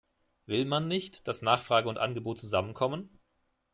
Will man nicht, dass Nachfrage und Angebot zusammenkommen?